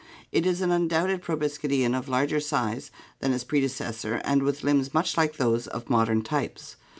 It is an undoubted proboscidean of larger size than its predecessor and with limbs much like those of modern types.